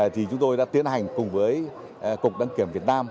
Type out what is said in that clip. thì chúng tôi đã tiến hành cùng với cục đăng kiểm việt nam